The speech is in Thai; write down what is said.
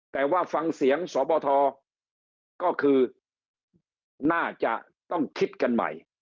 แต่ว่าฟังเสียงสบทก็คือน่าจะต้องคิดกันใหม่